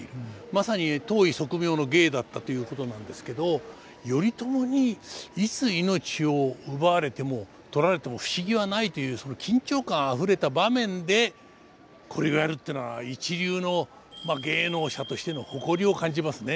まさに当意即妙の芸だったということなんですけど頼朝にいつ命を奪われても取られても不思議はないというその緊張感あふれた場面でこれをやるというのは一流の芸能者としての誇りを感じますね。